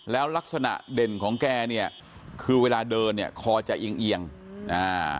แล้วลักษณะเด่นของแกเนี่ยคือเวลาเดินเนี่ยคอจะเอียงเอียงอ่า